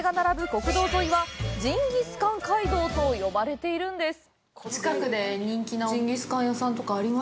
国道沿いはジンギスカン街道と呼ばれているんです。